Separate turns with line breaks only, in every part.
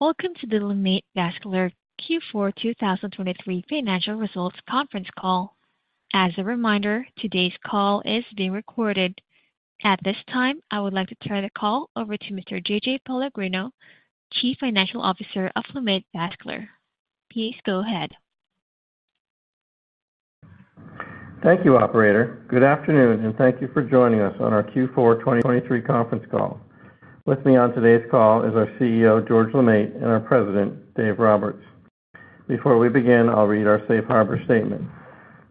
Welcome to the LeMaitre Vascular Q4 2023 financial results conference call. As a reminder, today's call is being recorded. At this time, I would like to turn the call over to Mr. J.J. Pellegrino, Chief Financial Officer of LeMaitre Vascular. Please go ahead.
Thank you, Operator. Good afternoon, and thank you for joining us on our Q4 2023 conference call. With me on today's call is our CEO, George LeMaitre, and our President, Dave Roberts. Before we begin, I'll read our Safe Harbor Statement.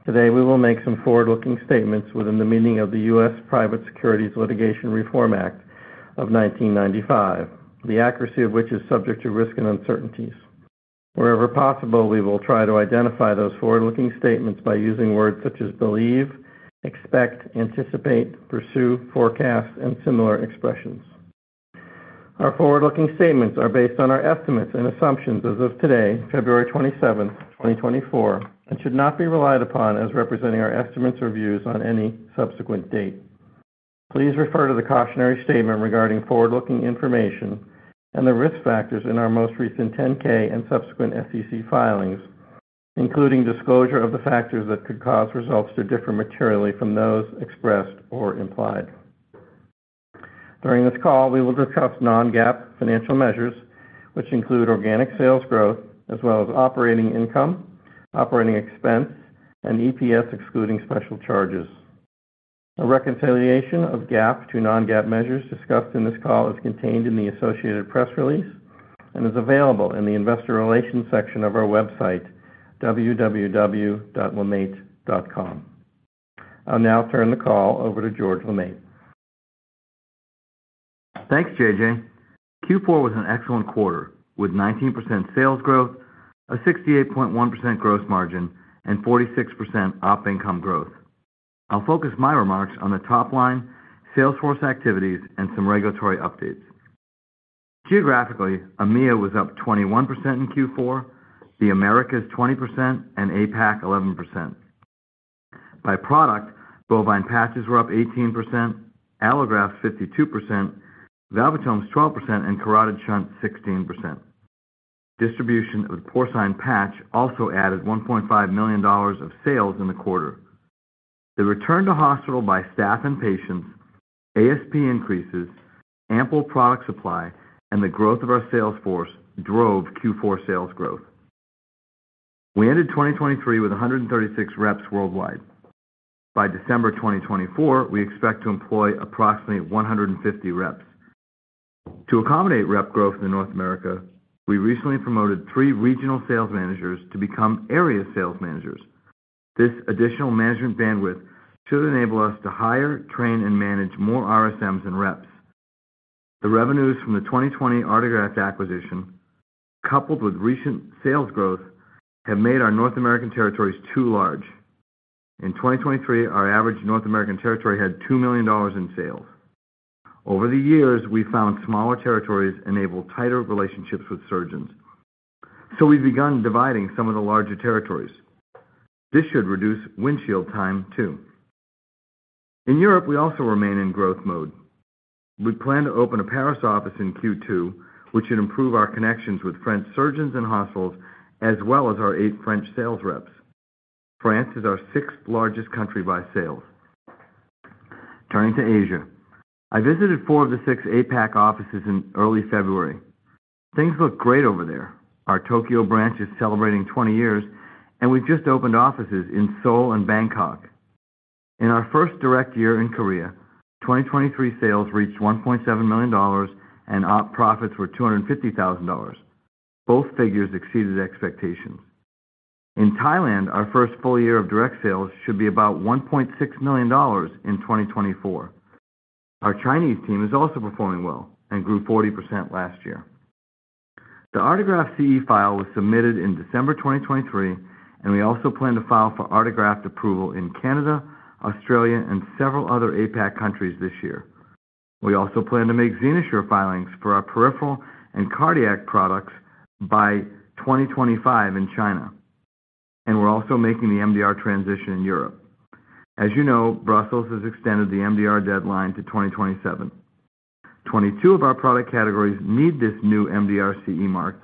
Today we will make some forward-looking statements within the meaning of the U.S. Private Securities Litigation Reform Act of 1995, the accuracy of which is subject to risk and uncertainties. Wherever possible, we will try to identify those forward-looking statements by using words such as believe, expect, anticipate, pursue, forecast, and similar expressions. Our forward-looking statements are based on our estimates and assumptions as of today, February 27, 2024, and should not be relied upon as representing our estimates or views on any subsequent date. Please refer to the cautionary statement regarding forward-looking information and the risk factors in our most recent 10-K and subsequent SEC filings, including disclosure of the factors that could cause results to differ materially from those expressed or implied. During this call, we will discuss non-GAAP financial measures, which include organic sales growth as well as operating income, operating expense, and EPS excluding special charges. A reconciliation of GAAP to non-GAAP measures discussed in this call is contained in the associated press release and is available in the investor relations section of our website, www.lemaitre.com. I'll now turn the call over to George LeMaitre.
Thanks, J.J. Q4 was an excellent quarter with 19% sales growth, a 68.1% gross margin, and 46% op income growth. I'll focus my remarks on the top line, sales force activities, and some regulatory updates. Geographically, EMEA was up 21% in Q4, the Americas 20%, and APAC 11%. By product, bovine patches were up 18%, allografts 52%, valvulotomes 12%, and carotid shunt 16%. Distribution of the porcine patch also added $1.5 million of sales in the quarter. The return to hospital by staff and patients, ASP increases, ample product supply, and the growth of our sales force drove Q4 sales growth. We ended 2023 with 136 reps worldwide. By December 2024, we expect to employ approximately 150 reps. To accommodate rep growth in North America, we recently promoted three regional sales managers to become area sales managers. This additional management bandwidth should enable us to hire, train, and manage more RSMs and reps. The revenues from the 2020 Artegraft acquisition, coupled with recent sales growth, have made our North American territories too large. In 2023, our average North American territory had $2 million in sales. Over the years, we found smaller territories enable tighter relationships with surgeons, so we've begun dividing some of the larger territories. This should reduce windshield time, too. In Europe, we also remain in growth mode. We plan to open a Paris office in Q2, which should improve our connections with French surgeons and hospitals as well as our eight French sales reps. France is our sixth largest country by sales. Turning to Asia. I visited four of the six APAC offices in early February. Things look great over there. Our Tokyo branch is celebrating 20 years, and we've just opened offices in Seoul and Bangkok. In our first direct year in Korea, 2023 sales reached $1.7 million, and Op profits were $250,000. Both figures exceeded expectations. In Thailand, our first full year of direct sales should be about $1.6 million in 2024. Our Chinese team is also performing well and grew 40% last year. The allograft CE filing was submitted in December 2023, and we also plan to file for allograft approval in Canada, Australia, and several other APAC countries this year. We also plan to make XenoSure filings for our peripheral and cardiac products by 2025 in China, and we're also making the MDR transition in Europe. As you know, Brussels has extended the MDR deadline to 2027. 22 of our product categories need this new MDR CE mark,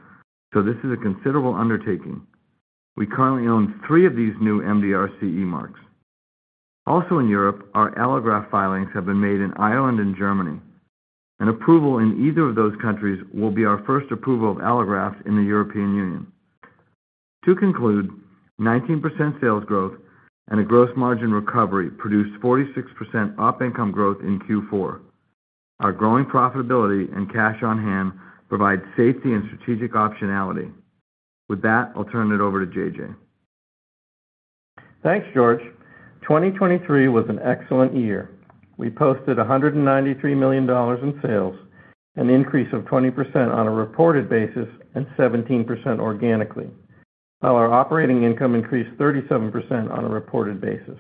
so this is a considerable undertaking. We currently own three of these new MDR CE marks. Also in Europe, our allograft filings have been made in Ireland and Germany, and approval in either of those countries will be our first approval of allograft in the European Union. To conclude, 19% sales growth and a gross margin recovery produced 46% op income growth in Q4. Our growing profitability and cash on hand provide safety and strategic optionality. With that, I'll turn it over to J.J.
Thanks, George. 2023 was an excellent year. We posted $193 million in sales, an increase of 20% on a reported basis and 17% organically, while our operating income increased 37% on a reported basis.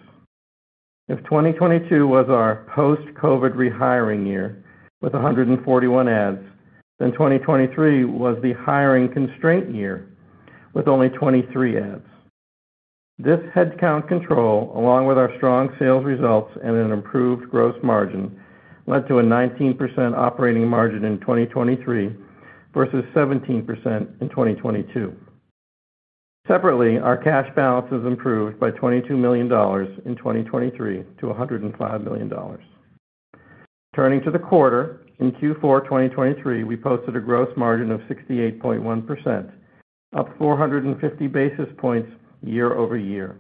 If 2022 was our post-COVID rehiring year with 141 ads, then 2023 was the hiring constraint year with only 23 ads. This headcount control, along with our strong sales results and an improved gross margin, led to a 19% operating margin in 2023 versus 17% in 2022. Separately, our cash balance has improved by $22 million in 2023 to $105 million. Turning to the quarter, in Q4 2023, we posted a gross margin of 68.1%, up 450 basis points year-over-year.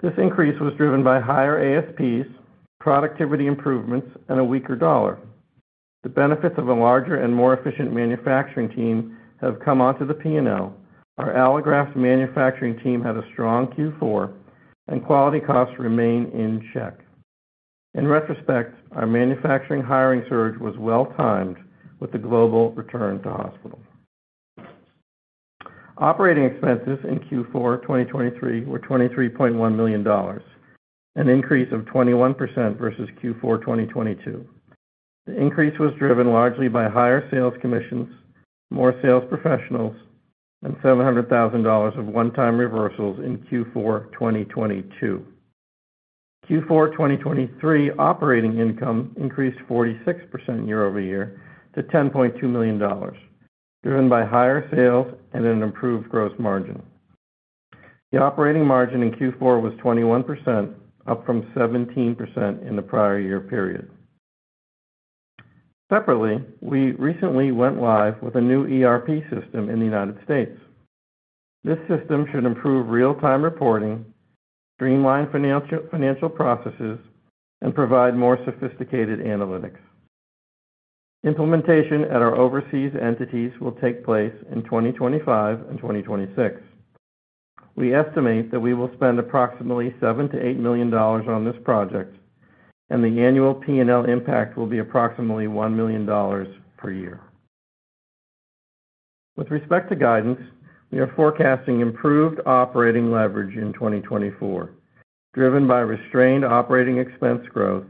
This increase was driven by higher ASPs, productivity improvements, and a weaker dollar. The benefits of a larger and more efficient manufacturing team have come onto the P&L. Our allograft manufacturing team had a strong Q4, and quality costs remain in check. In retrospect, our manufacturing hiring surge was well-timed with the global return to hospital. Operating expenses in Q4 2023 were $23.1 million, an increase of 21% versus Q4 2022. The increase was driven largely by higher sales commissions, more sales professionals, and $700,000 of one-time reversals in Q4 2022. Q4 2023 operating income increased 46% year-over-year to $10.2 million, driven by higher sales and an improved gross margin. The operating margin in Q4 was 21%, up from 17% in the prior year period. Separately, we recently went live with a new ERP system in the United States. This system should improve real-time reporting, streamline financial processes, and provide more sophisticated analytics. Implementation at our overseas entities will take place in 2025 and 2026. We estimate that we will spend approximately $7 million-$8 million on this project, and the annual P&L impact will be approximately $1 million per year. With respect to guidance, we are forecasting improved operating leverage in 2024, driven by restrained operating expense growth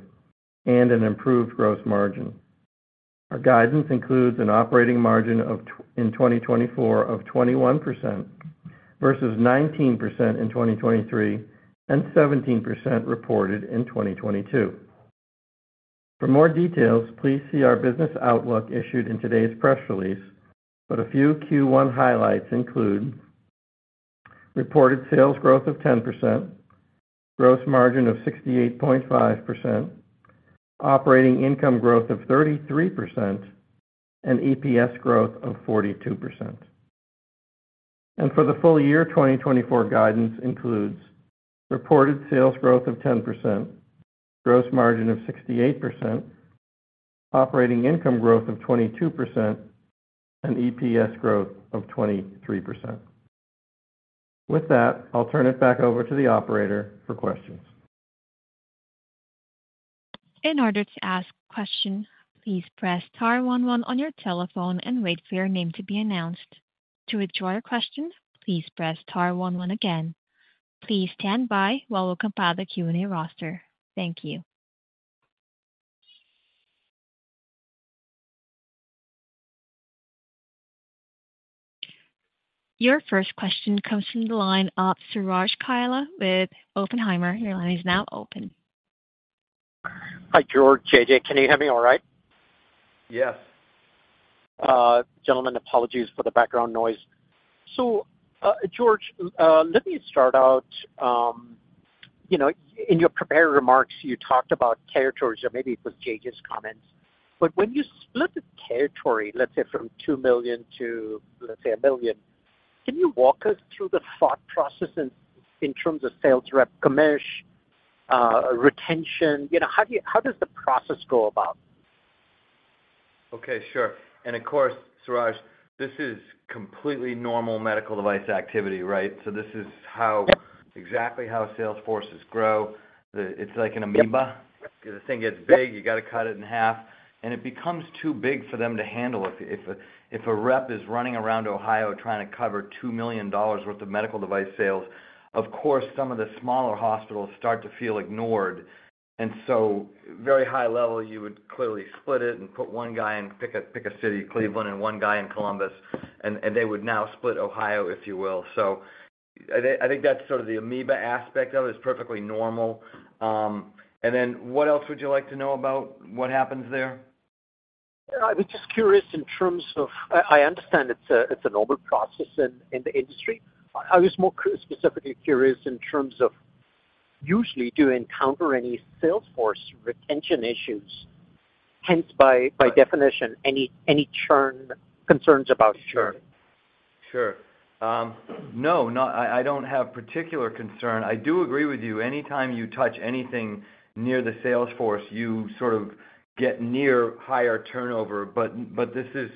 and an improved gross margin. Our guidance includes an operating margin in 2024 of 21% versus 19% in 2023 and 17% reported in 2022. For more details, please see our business outlook issued in today's press release, but a few Q1 highlights include reported sales growth of 10%, gross margin of 68.5%, operating income growth of 33%, and EPS growth of 42%. For the full year, 2024 guidance includes reported sales growth of 10%, gross margin of 68%, operating income growth of 22%, and EPS growth of 23%. With that, I'll turn it back over to the operator for questions.
In order to ask questions, please press star one one on your telephone and wait for your name to be announced. To withdraw your question, please press star one one again. Please stand by while we compile the Q&A roster. Thank you. Your first question comes from the line of Suraj Kalia with Oppenheimer. Your line is now open.
Hi, George. J.J., can you hear me all right?
Yes.
Gentlemen, apologies for the background noise. So, George, let me start out. In your prepared remarks, you talked about territories, or maybe it was J.J.'s comments. But when you split the territory, let's say, from $2 million to, let's say, $1 million, can you walk us through the thought process in terms of sales rep commission, retention? How does the process go about?
Okay, sure. And of course, Suraj, this is completely normal medical device activity, right? So this is exactly how sales forces grow. It's like an amoeba. The thing gets big, you got to cut it in half, and it becomes too big for them to handle. If a rep is running around Ohio trying to cover $2 million worth of medical device sales, of course, some of the smaller hospitals start to feel ignored. And so very high level, you would clearly split it and put one guy in, pick a city, Cleveland, and one guy in Columbus, and they would now split Ohio, if you will. So I think that's sort of the amoeba aspect of it. It's perfectly normal. And then what else would you like to know about what happens there?
I was just curious in terms of I understand it's a normal process in the industry. I was more specifically curious in terms of usually, do you encounter any sales force retention issues? Hence, by definition, any concerns about.
Sure. Sure. No, I don't have particular concern. I do agree with you. Anytime you touch anything near the sales force, you sort of get near higher turnover, but this is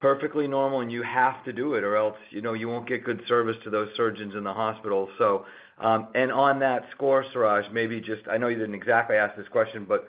perfectly normal, and you have to do it or else you won't get good service to those surgeons in the hospital, so. On that score, Suraj, maybe just I know you didn't exactly ask this question, but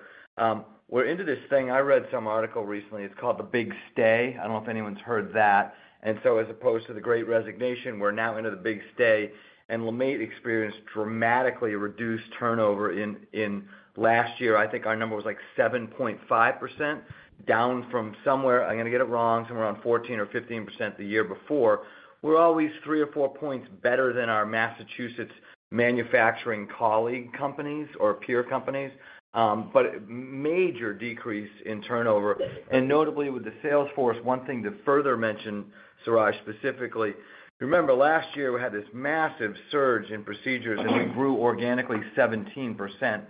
we're into this thing. I read some article recently. It's called The Big Stay. I don't know if anyone's heard that. And so as opposed to the Great Resignation, we're now into The Big Stay. And LeMaitre experienced dramatically reduced turnover in last year. I think our number was like 7.5%, down from somewhere I'm going to get it wrong, somewhere around 14 or 15% the year before. We're always 3 or 4 points better than our Massachusetts manufacturing colleague companies or peer companies, but major decrease in turnover. Notably, with the sales force, one thing to further mention, Suraj, specifically, remember last year we had this massive surge in procedures, and we grew organically 17%.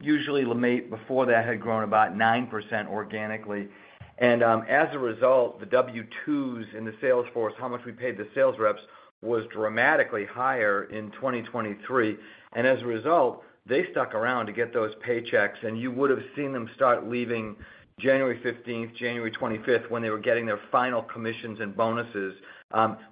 Usually, LeMaitre, before that, had grown about 9% organically. And as a result, the W-2s in the sales force, how much we paid the sales reps, was dramatically higher in 2023. And as a result, they stuck around to get those paychecks, and you would have seen them start leaving January 15th, January 25th, when they were getting their final commissions and bonuses.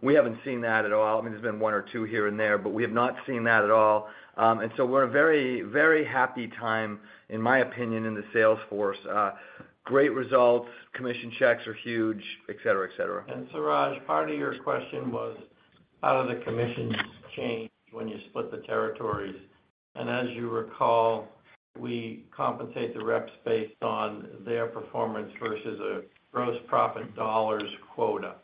We haven't seen that at all. I mean, there's been one or two here and there, but we have not seen that at all. And so we're in a very, very happy time, in my opinion, in the sales force. Great results. Commission checks are huge, etc., etc.
Suraj, part of your question was how do the commissions change when you split the territories? As you recall, we compensate the reps based on their performance versus a gross profit dollars quota.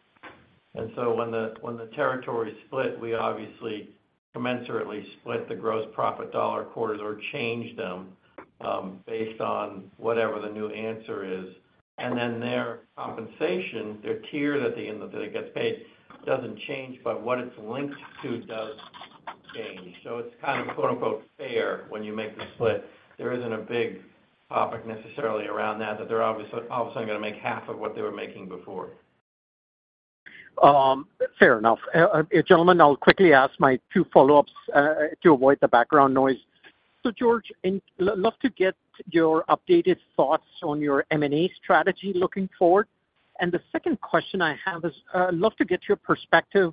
So when the territories split, we obviously commensurately split the gross profit dollar quotas or change them based on whatever the new answer is. Then their compensation, their tier that it gets paid, doesn't change, but what it's linked to does change. So it's kind of "fair" when you make the split. There isn't a big topic necessarily around that, that they're all of a sudden going to make half of what they were making before.
Fair enough. Gentlemen, I'll quickly ask my 2 follow-ups to avoid the background noise. So, George, I'd love to get your updated thoughts on your M&A strategy looking forward. And the second question I have is I'd love to get your perspective.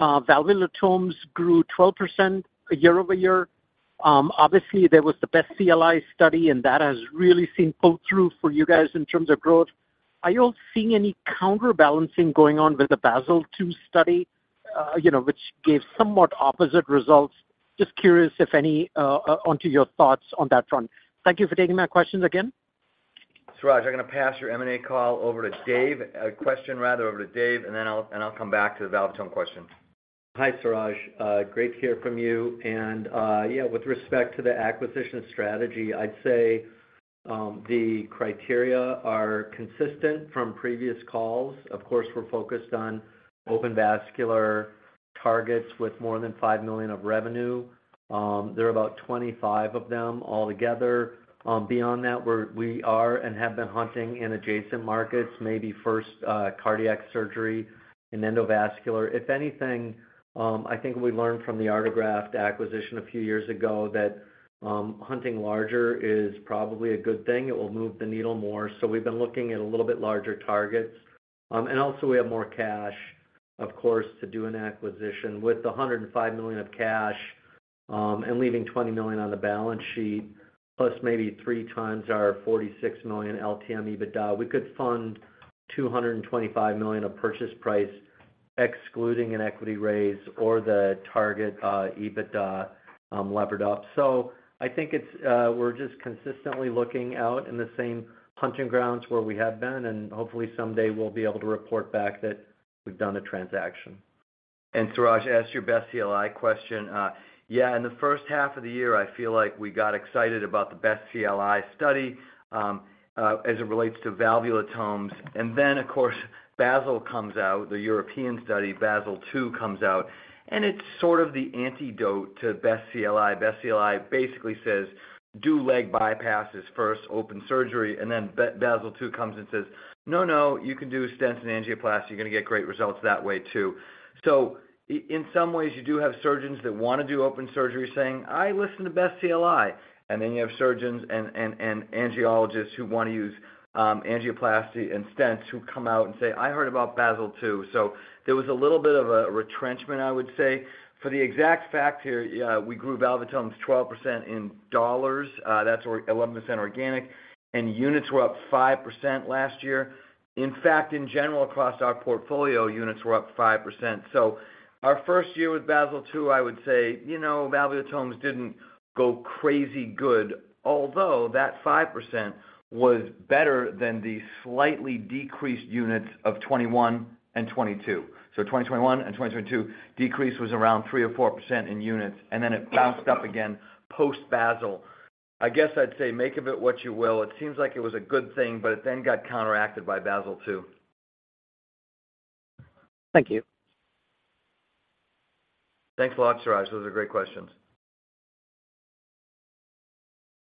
Valvulotome's grew 12% year-over-year. Obviously, there was the BEST-CLI study, and that has really seen pull-through for you guys in terms of growth. Are you all seeing any counterbalancing going on with the BASIL-2 study, which gave somewhat opposite results? Just curious onto your thoughts on that front. Thank you for taking my questions again.
Suraj, I'm going to pass your M&A call over to Dave a question, rather, over to Dave, and then I'll come back to the Valvulotome question.
Hi, Suraj. Great to hear from you. And yeah, with respect to the acquisition strategy, I'd say the criteria are consistent from previous calls. Of course, we're focused on open vascular targets with more than $5 million of revenue. There are about 25 of them altogether. Beyond that, we are and have been hunting in adjacent markets, maybe first cardiac surgery and endovascular. If anything, I think we learned from the Artegraft acquisition a few years ago that hunting larger is probably a good thing. It will move the needle more. So we've been looking at a little bit larger targets. And also, we have more cash, of course, to do an acquisition. With the $105 million of cash and leaving $20 million on the balance sheet, plus maybe 3x our $46 million LTM EBITDA, we could fund $225 million of purchase price excluding an equity raise or the target EBITDA levered up. So I think we're just consistently looking out in the same hunting grounds where we have been, and hopefully, someday, we'll be able to report back that we've done a transaction.
And Suraj, ask your best CLI question. Yeah, in the first half of the year, I feel like we got excited about the BEST-CLI study as it relates to valvulotomes. And then, of course, Basel comes out, the European study, BASIL-2 comes out, and it's sort of the antidote to BEST-CLI. BEST-CLI basically says, "Do leg bypasses first, open surgery." And then BASIL-2 comes and says, "No, no, you can do stents and angioplasty. You're going to get great results that way too." So in some ways, you do have surgeons that want to do open surgery saying, "I listen to BEST-CLI." And then you have surgeons and angiologists who want to use angioplasty and stents who come out and say, "I heard about BASIL-2." So there was a little bit of a retrenchment, I would say. For the exact fact here, we grew valvulotomes 12% in dollars. That's 11% organic. And units were up 5% last year. In fact, in general, across our portfolio, units were up 5%. So our first year with BASIL-2, I would say Valvulotomes didn't go crazy good, although that 5% was better than the slightly decreased units of 2021 and 2022. So 2021 and 2022, decrease was around 3% or 4% in units, and then it bounced up again post-Basel. I guess I'd say make of it what you will. It seems like it was a good thing, but it then got counteracted by BASIL-2.
Thank you.
Thanks a lot, Suraj. Those are great questions.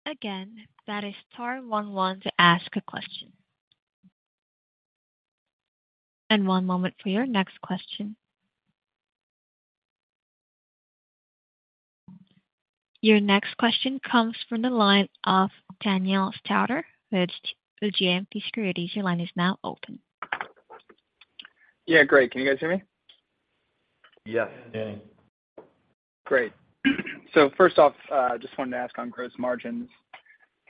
Again, that is star one one to ask a question. One moment for your next question. Your next question comes from the line of Daniel Stauder with JMP Securities. Your line is now open.
Yeah, great. Can you guys hear me?
Yes. Hearing.
Great. So first off, I just wanted to ask on gross margins.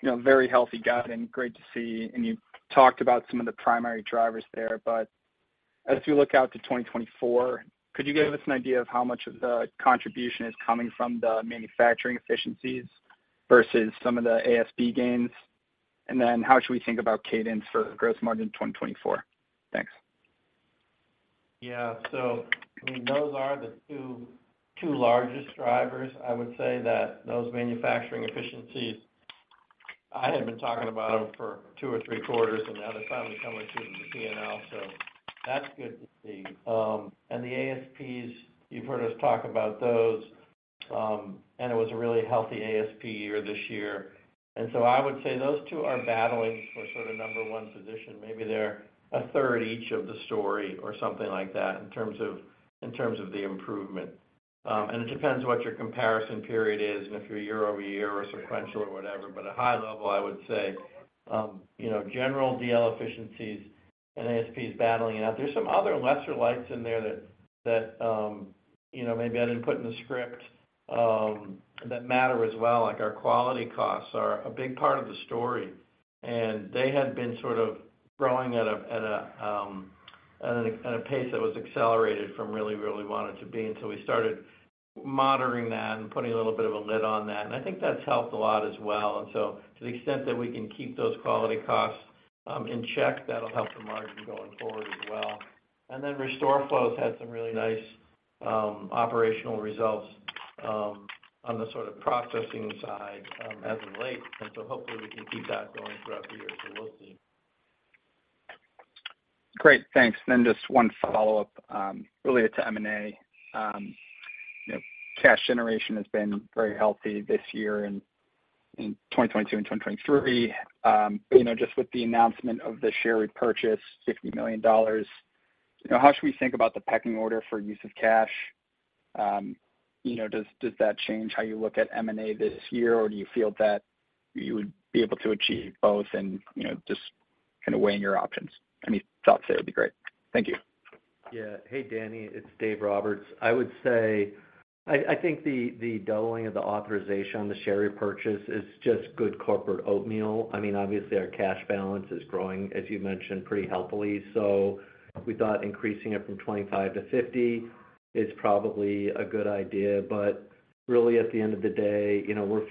Very healthy guidance. Great to see. And you talked about some of the primary drivers there, but as we look out to 2024, could you give us an idea of how much of the contribution is coming from the manufacturing efficiencies versus some of the ASP gains? And then how should we think about cadence for gross margin in 2024? Thanks.
Yeah. So I mean, those are the two largest drivers. I would say that those manufacturing efficiencies I had been talking about them for two or three quarters, and now they're finally coming through to the P&L, so that's good to see. And the ASPs, you've heard us talk about those, and it was a really healthy ASP year this year. And so I would say those two are battling for sort of number one position. Maybe they're a third each of the story or something like that in terms of the improvement. And it depends what your comparison period is and if you're year-over-year or sequential or whatever. But at a high level, I would say general DL efficiencies and ASPs battling it out. There's some other lesser lights in there that maybe I didn't put in the script that matter as well. Our quality costs are a big part of the story, and they had been sort of growing at a pace that was accelerated from really, really wanted to be. So we started monitoring that and putting a little bit of a lid on that. I think that's helped a lot as well. To the extent that we can keep those quality costs in check, that'll help the margin going forward as well. RestoreFlow had some really nice operational results on the sort of processing side as of late. Hopefully, we can keep that going throughout the year. We'll see.
Great. Thanks. Then just one follow-up related to M&A. Cash generation has been very healthy this year in 2022 and 2023. But just with the announcement of the share repurchase, $50 million, how should we think about the pecking order for use of cash? Does that change how you look at M&A this year, or do you feel that you would be able to achieve both and just kind of weighing your options? Any thoughts there would be great. Thank you.
Yeah. Hey, Danny. It's Dave Roberts. I would say I think the doubling of the authorization on the share repurchase is just good corporate oatmeal. I mean, obviously, our cash balance is growing, as you mentioned, pretty helpfully. So we thought increasing it from $25-$50 is probably a good idea. But really, at the end of the day, we're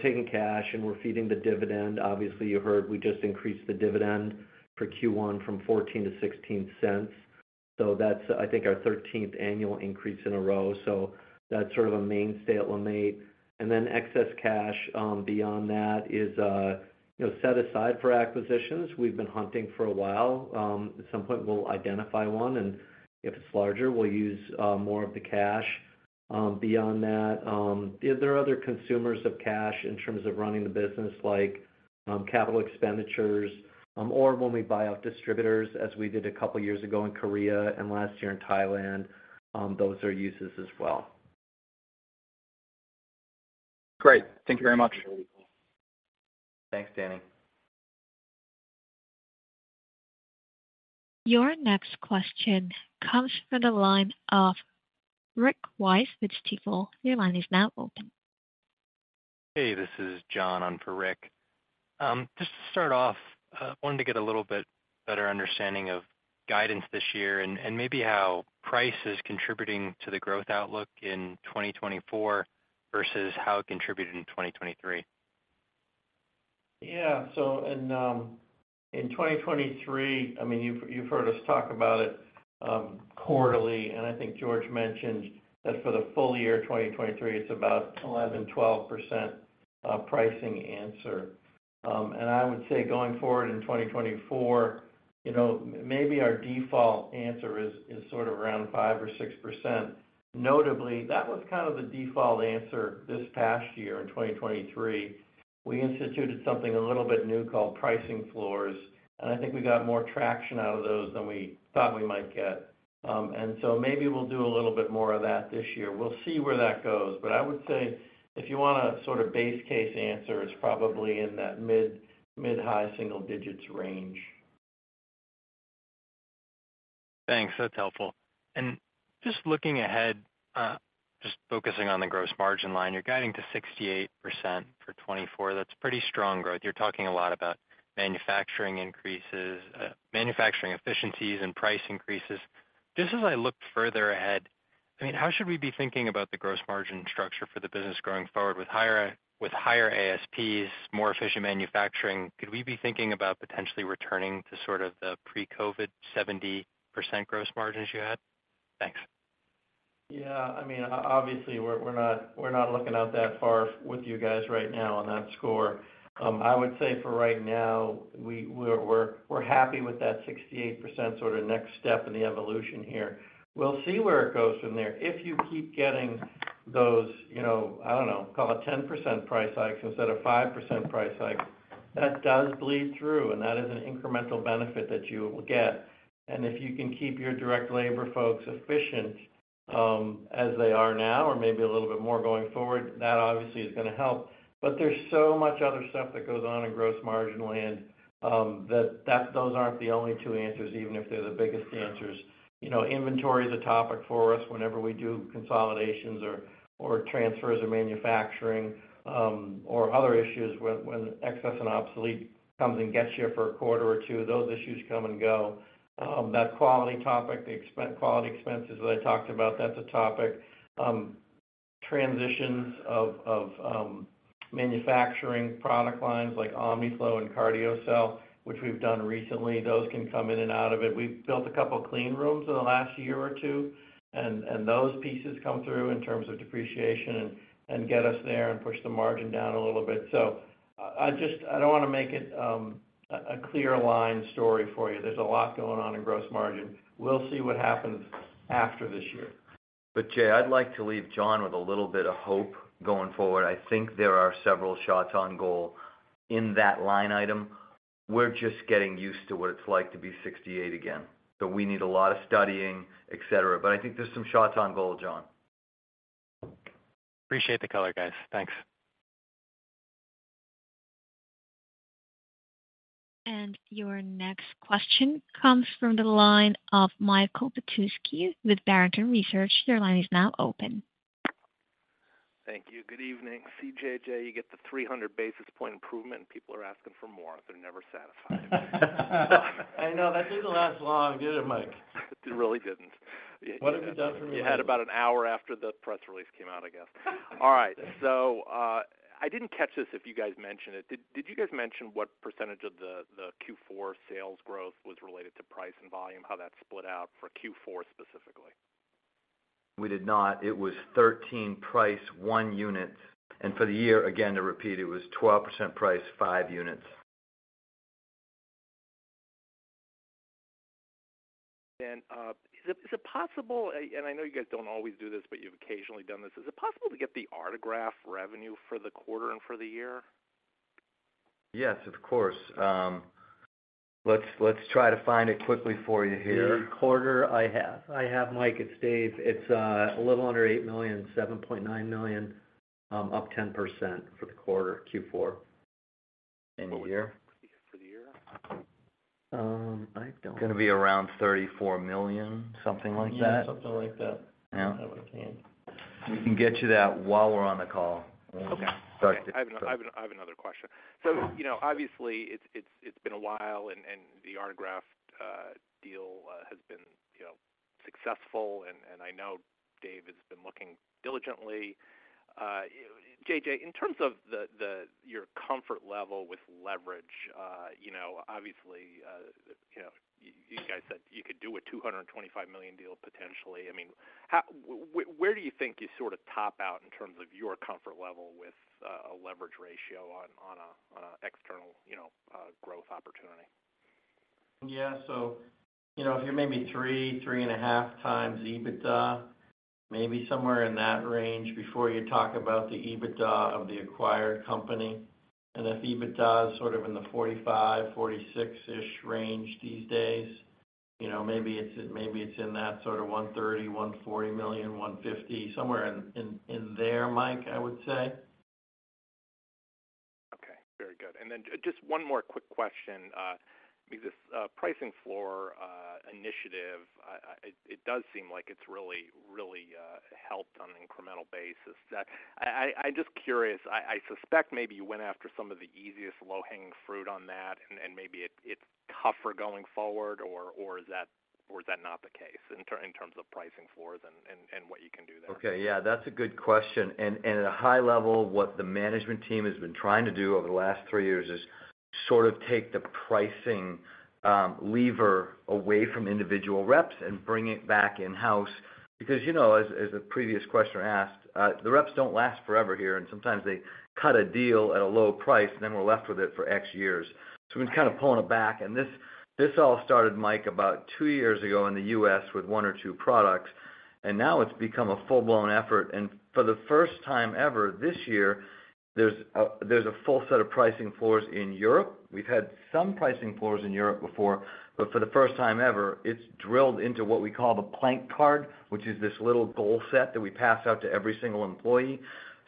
taking cash, and we're feeding the dividend. Obviously, you heard we just increased the dividend for Q1 from $0.14-$0.16. So that's, I think, our 13th annual increase in a row. So that's sort of a mainstay at LeMaitre. And then excess cash beyond that is set aside for acquisitions. We've been hunting for a while. At some point, we'll identify one, and if it's larger, we'll use more of the cash. Beyond that, there are other consumers of cash in terms of running the business, like capital expenditures or when we buy out distributors, as we did a couple of years ago in Korea and last year in Thailand. Those are uses as well.
Great. Thank you very much.
Thanks, Danny.
Your next question comes from the line of Rick Wise with Stifel. Your line is now open.
Hey, this is John. I'm for Rick. Just to start off, I wanted to get a little bit better understanding of guidance this year and maybe how price is contributing to the growth outlook in 2024 versus how it contributed in 2023.
Yeah. So in 2023, I mean, you've heard us talk about it quarterly, and I think George mentioned that for the full year 2023, it's about 11%-12% pricing answer. I would say going forward in 2024, maybe our default answer is sort of around 5% or 6%. Notably, that was kind of the default answer this past year in 2023. We instituted something a little bit new called pricing floors, and I think we got more traction out of those than we thought we might get. So maybe we'll do a little bit more of that this year. We'll see where that goes. But I would say if you want a sort of base case answer, it's probably in that mid-high single digits range.
Thanks. That's helpful. Just looking ahead, just focusing on the gross margin line, you're guiding to 68% for 2024. That's pretty strong growth. You're talking a lot about manufacturing increases, manufacturing efficiencies, and price increases. Just as I look further ahead, I mean, how should we be thinking about the gross margin structure for the business going forward with higher ASPs, more efficient manufacturing? Could we be thinking about potentially returning to sort of the pre-COVID 70% gross margins you had? Thanks.
Yeah. I mean, obviously, we're not looking out that far with you guys right now on that score. I would say for right now, we're happy with that 68% sort of next step in the evolution here. We'll see where it goes from there. If you keep getting those, I don't know, call it 10% price hikes instead of 5% price hikes, that does bleed through, and that is an incremental benefit that you will get. And if you can keep your direct labor folks efficient as they are now or maybe a little bit more going forward, that obviously is going to help. But there's so much other stuff that goes on in gross margin land that those aren't the only two answers, even if they're the biggest answers. Inventory is a topic for us whenever we do consolidations or transfers of manufacturing or other issues. When excess and obsolete comes and gets you for a quarter or two, those issues come and go. That quality topic, the quality expenses that I talked about, that's a topic. Transitions of manufacturing product lines like Omniflow and CardioCel, which we've done recently, those can come in and out of it. We've built a couple of clean rooms in the last year or two, and those pieces come through in terms of depreciation and get us there and push the margin down a little bit. So I don't want to make it a clear line story for you. There's a lot going on in gross margin. We'll see what happens after this year.
But Jay, I'd like to leave John with a little bit of hope going forward. I think there are several shots on goal in that line item. We're just getting used to what it's like to be 68 again. So we need a lot of studying, etc. But I think there's some shots on goal, John.
Appreciate the color, guys. Thanks.
Your next question comes from the line of Michael Petusky with Barrington Research. Your line is now open.
Thank you. Good evening. J.J., you get the 300 basis point improvement, and people are asking for more. They're never satisfied.
I know. That didn't last long either, Mike.
It really didn't.
What have you done for me?
You had about an hour after the press release came out, I guess. All right. So I didn't catch this if you guys mentioned it. Did you guys mention what percentage of the Q4 sales growth was related to price and volume, how that split out for Q4 specifically?
We did not. It was 13% price, 1 unit. For the year, again, to repeat, it was 12% price, 5 units.
Is it possible and I know you guys don't always do this, but you've occasionally done this. Is it possible to get the Artegraft revenue for the quarter and for the year?
Yes, of course. Let's try to find it quickly for you here.
The quarter, I have. I have Mike; it's Dave. It's a little under $8 million, $7.9 million, up 10% for the quarter, Q4.
The year?
For the year? I don't.
It's going to be around $34 million, something like that.
Yeah, something like that. I have it at hand.
We can get you that while we're on the call.
Okay. I have another question. So obviously, it's been a while, and the Artegraft deal has been successful, and I know Dave has been looking diligently. J.J., in terms of your comfort level with leverage, obviously, you guys said you could do a $225 million deal potentially. I mean, where do you think you sort of top out in terms of your comfort level with a leverage ratio on an external growth opportunity?
Yeah. So if you're maybe 3-3.5x EBITDA, maybe somewhere in that range before you talk about the EBITDA of the acquired company. And if EBITDA is sort of in the 45-46-ish range these days, maybe it's in that sort of $130 million-$150 million, somewhere in there, Mike, I would say.
Okay. Very good. And then just one more quick question. I mean, this pricing floor initiative, it does seem like it's really, really helped on an incremental basis. I'm just curious. I suspect maybe you went after some of the easiest low-hanging fruit on that, and maybe it's tougher going forward, or is that not the case in terms of pricing floors and what you can do there?
Okay. Yeah. That's a good question. And at a high level, what the management team has been trying to do over the last three years is sort of take the pricing lever away from individual reps and bring it back in-house because, as the previous questioner asked, the reps don't last forever here, and sometimes they cut a deal at a low price, and then we're left with it for X years. So we've been kind of pulling it back. And this all started, Mike, about two years ago in the U.S. with one or two products, and now it's become a full-blown effort. And for the first time ever this year, there's a full set of pricing floors in Europe. We've had some Pricing Floors in Europe before, but for the first time ever, it's drilled into what we call the plank card, which is this little goal set that we pass out to every single employee.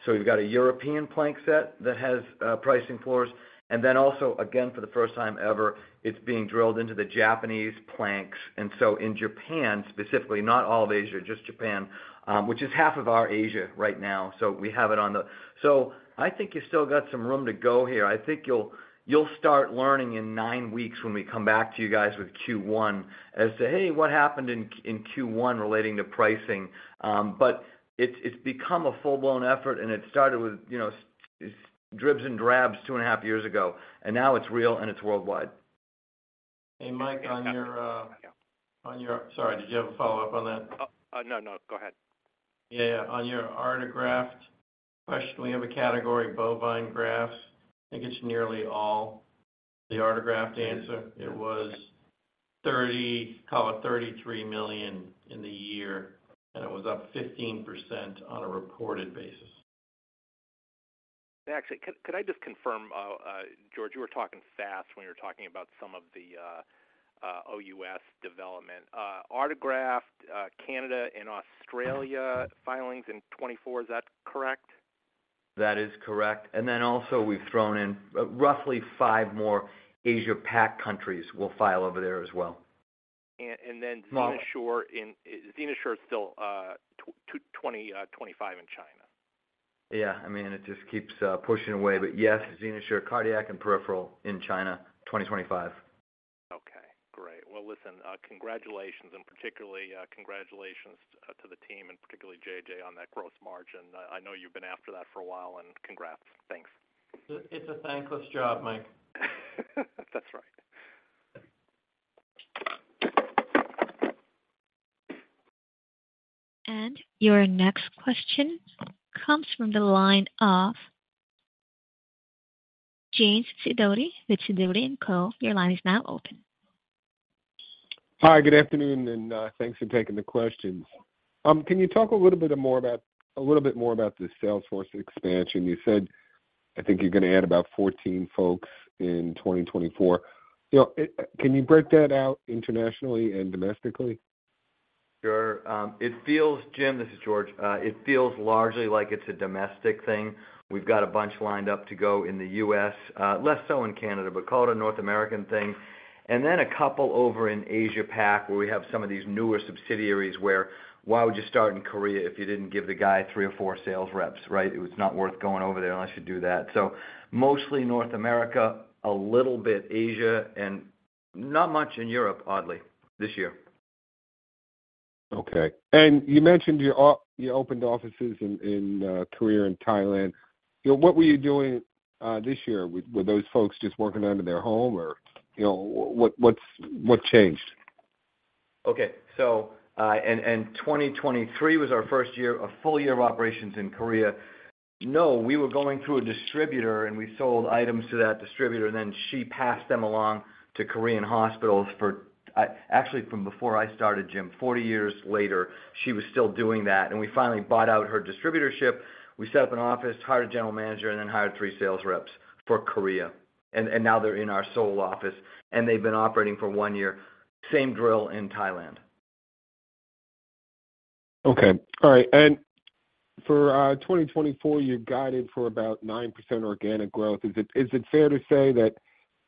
So you've got a European plank set that has Pricing Floors. And then also, again, for the first time ever, it's being drilled into the Japanese planks. And so in Japan specifically, not all of Asia, just Japan, which is half of our Asia right now, so we have it on the so I think you've still got some room to go here. I think you'll start learning in nine weeks when we come back to you guys with Q1 as to, "Hey, what happened in Q1 relating to pricing?" But it's become a full-blown effort, and it started with dribs and drabs two and a half years ago, and now it's real, and it's worldwide.
Hey, Mike, one more. Sorry. Did you have a follow-up on that?
No, no. Go ahead.
Yeah, yeah. On your Artegraft question, we have a category, bovine grafts. I think it's nearly all the Artegraft answer. It was, call it, $33 million in the year, and it was up 15% on a reported basis.
Actually, could I just confirm, George? You were talking fast when you were talking about some of the OUS development. Allograft Canada and Australia filings in 2024, is that correct?
That is correct. And then also, we've thrown in roughly five more Asia-Pac countries will file over there as well.
XenoSure is still 2025 in China.
Yeah. I mean, it just keeps pushing away. But yes, XenoSure, cardiac and peripheral in China 2025.
Okay. Great. Well, listen, congratulations, and particularly congratulations to the team and particularly J.J. on that gross margin. I know you've been after that for a while, and congrats. Thanks.
It's a thankless job, Mike.
That's right.
Your next question comes from the line of James Sidoti with Sidoti & Co. Your line is now open.
Hi. Good afternoon, and thanks for taking the questions. Can you talk a little bit more about the Salesforce expansion? You said I think you're going to add about 14 folks in 2024. Can you break that out internationally and domestically?
Sure. Jim, this is George. It feels largely like it's a domestic thing. We've got a bunch lined up to go in the U.S., less so in Canada, but call it a North American thing. And then a couple over in Asia-Pac where we have some of these newer subsidiaries where, why would you start in Korea if you didn't give the guy three or four sales reps, right? It was not worth going over there unless you do that. So mostly North America, a little bit Asia, and not much in Europe, oddly, this year.
Okay. And you mentioned you opened offices in Korea and Thailand. What were you doing this year? Were those folks just working under their home, or what changed?
Okay. And 2023 was our first year, a full year of operations in Korea. No, we were going through a distributor, and we sold items to that distributor, and then she passed them along to Korean hospitals for actually, from before I started, Jim, 40 years later, she was still doing that. And we finally bought out her distributorship. We set up an office, hired a general manager, and then hired 3 sales reps for Korea. And now they're in our Seoul office, and they've been operating for 1 year. Same drill in Thailand.
Okay. All right. For 2024, you're guided for about 9% organic growth. Is it fair to say that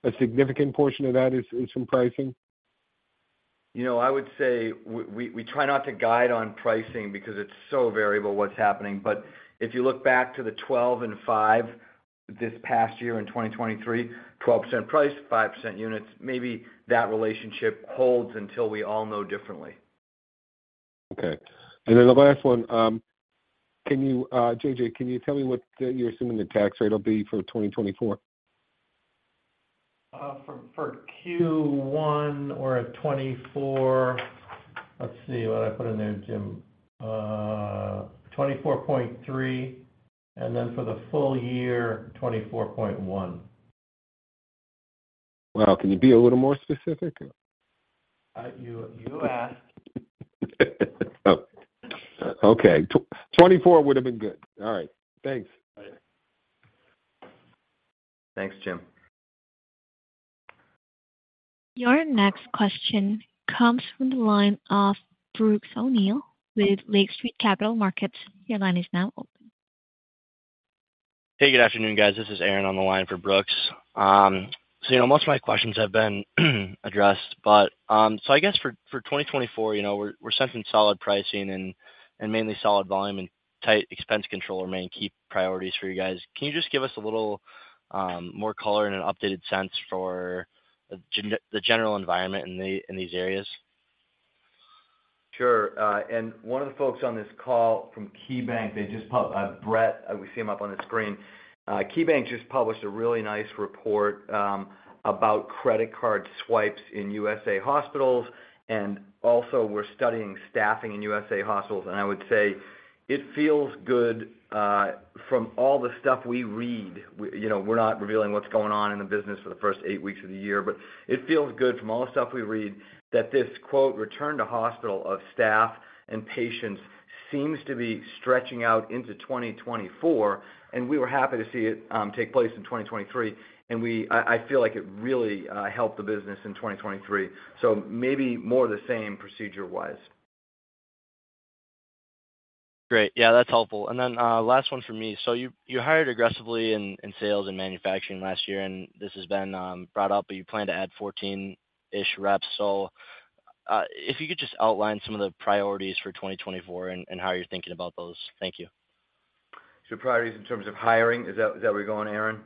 a significant portion of that is from pricing?
I would say we try not to guide on pricing because it's so variable what's happening. But if you look back to the 12 and 5 this past year in 2023, 12% price, 5% units, maybe that relationship holds until we all know differently.
Okay. And then the last one, J.J., can you tell me what you're assuming the tax rate will be for 2024?
For Q1 2024, let's see what I put in there, Jim. 24.3, and then for the full year, 24.1.
Wow. Can you be a little more specific?
You asked.
Okay. 2024 would have been good. All right. Thanks.
Thanks, Jim.
Your next question comes from the line of Brooks O'Neil with Lake Street Capital Markets. Your line is now open.
Hey, good afternoon, guys. This is Aaron on the line for Brooks. So most of my questions have been addressed. So I guess for 2024, we're sensing solid pricing and mainly solid volume, and tight expense control are main key priorities for you guys. Can you just give us a little more color and an updated sense for the general environment in these areas?
Sure. And one of the folks on this call from KeyBank, Brett, we see him up on the screen. KeyBank just published a really nice report about credit card swipes in USA hospitals, and also, we're studying staffing in USA hospitals. And I would say it feels good from all the stuff we read. We're not revealing what's going on in the business for the first eight weeks of the year, but it feels good from all the stuff we read that this "return to hospital" of staff and patients seems to be stretching out into 2024. And we were happy to see it take place in 2023, and I feel like it really helped the business in 2023. So maybe more of the same procedure-wise.
Great. Yeah, that's helpful. And then last one from me. So you hired aggressively in sales and manufacturing last year, and this has been brought up, but you plan to add 14-ish reps. So if you could just outline some of the priorities for 2024 and how you're thinking about those. Thank you.
So priorities in terms of hiring, is that where you're going, Aaron?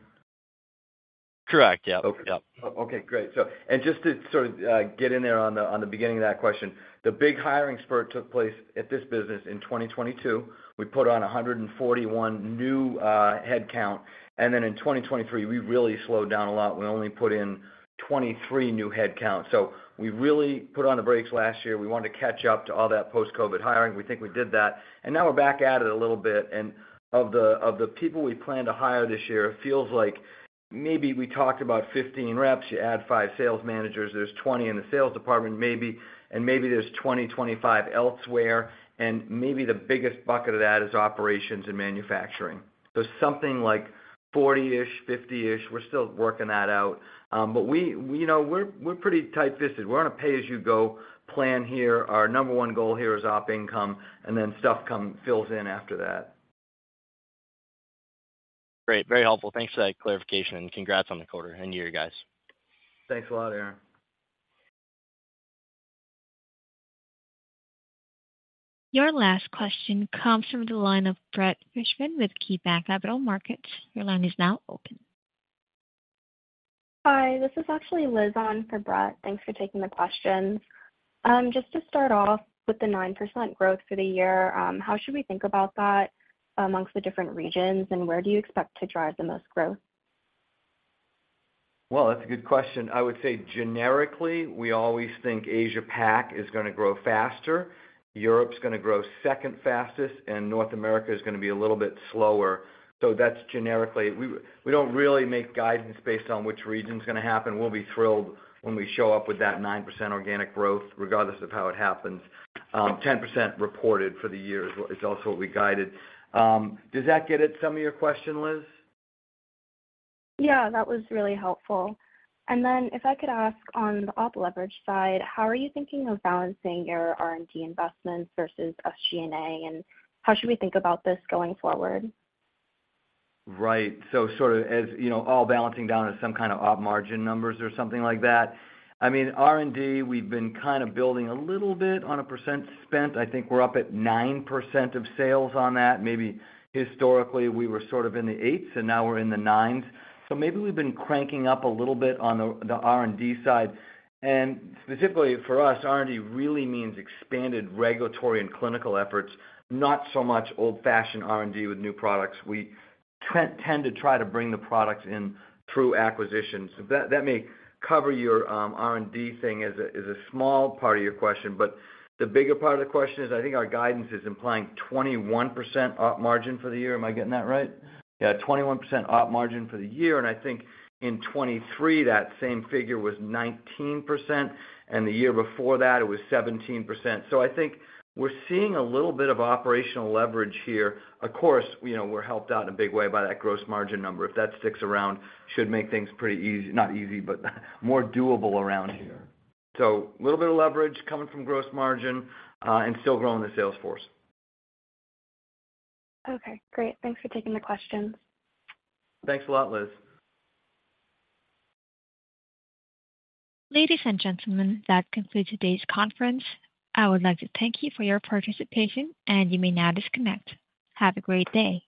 Correct. Yeah. Yeah.
Okay. Great. And just to sort of get in there on the beginning of that question, the big hiring spurt took place at this business in 2022. We put on 141 new headcount. And then in 2023, we really slowed down a lot. We only put in 23 new headcount. So we really put on the brakes last year. We wanted to catch up to all that post-COVID hiring. We think we did that. And now we're back at it a little bit. And of the people we plan to hire this year, it feels like maybe we talked about 15 reps. You add 5 sales managers. There's 20 in the sales department, and maybe there's 20, 25 elsewhere. And maybe the biggest bucket of that is operations and manufacturing. So something like 40-ish, 50-ish. We're still working that out. But we're pretty tight-fisted. We're on a pay-as-you-go plan here. Our number one goal here is Op income, and then stuff fills in after that.
Great. Very helpful. Thanks for that clarification, and congrats on the quarter and year, guys.
Thanks a lot, Aaron.
Your last question comes from the line of Brett Fishbin with KeyBanc Capital Markets. Your line is now open.
Hi. This is actually Liz on for Brett. Thanks for taking the questions. Just to start off with the 9% growth for the year, how should we think about that amongst the different regions, and where do you expect to drive the most growth?
Well, that's a good question. I would say generically, we always think Asia-Pac is going to grow faster. Europe's going to grow second-fastest, and North America is going to be a little bit slower. So that's generically. We don't really make guidance based on which region's going to happen. We'll be thrilled when we show up with that 9% organic growth, regardless of how it happens. 10% reported for the year is also what we guided. Does that get at some of your question, Liz?
Yeah. That was really helpful. And then if I could ask on the op leverage side, how are you thinking of balancing your R&D investments versus SG&A, and how should we think about this going forward?
Right. So sort of all balancing down to some kind of op margin numbers or something like that. I mean, R&D, we've been kind of building a little bit on a percent spent. I think we're up at 9% of sales on that. Maybe historically, we were sort of in the 8s, and now we're in the 9s. So maybe we've been cranking up a little bit on the R&D side. And specifically for us, R&D really means expanded regulatory and clinical efforts, not so much old-fashioned R&D with new products. We tend to try to bring the products in through acquisitions. That may cover your R&D thing as a small part of your question, but the bigger part of the question is I think our guidance is implying 21% op margin for the year. Am I getting that right? Yeah, 21% op margin for the year. I think in 2023, that same figure was 19%, and the year before that, it was 17%. So I think we're seeing a little bit of operational leverage here. Of course, we're helped out in a big way by that gross margin number. If that sticks around, should make things pretty easy not easy, but more doable around here. So a little bit of leverage coming from gross margin and still growing the sales force.
Okay. Great. Thanks for taking the questions.
Thanks a lot, Liz.
Ladies and gentlemen, that concludes today's conference. I would like to thank you for your participation, and you may now disconnect. Have a great day.